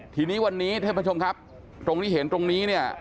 ทีนี้วันนี้ท่านผู้ชมครับตรงที่เห็นตรงนี้เนี่ย